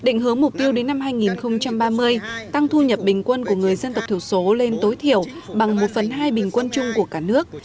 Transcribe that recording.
định hướng mục tiêu đến năm hai nghìn ba mươi tăng thu nhập bình quân của người dân tộc thiểu số lên tối thiểu bằng một phần hai bình quân chung của cả nước